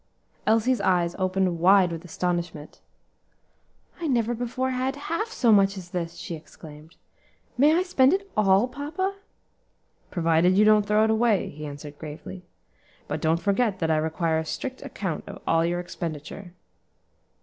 Elsie's eyes opened wide with astonishment. "I never before had half so much as this," she exclaimed. "May I spend it all, papa?" "Provided you don't throw it away," he answered gravely; "but don't forget that I require a strict account of all your expenditure."